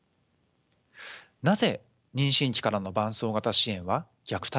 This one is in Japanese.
なぜ妊娠期からの伴走型支援は虐待を減らすのでしょうか。